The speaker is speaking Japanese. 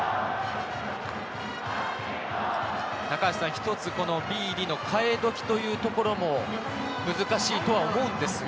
一つビーディの代えどきというところも難しいと思うんですが。